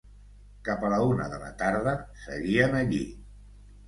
Cap a la una de la tarda seguien allí.